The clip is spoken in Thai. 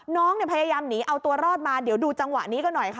น้องเนี่ยพยายามหนีเอาตัวรอดมาเดี๋ยวดูจังหวะนี้ก็หน่อยค่ะ